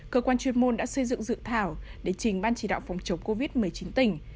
cơ quan chuyên môn đã xây dựng dự thảo để trình ban chỉ đạo phòng chống covid một mươi chín tỉnh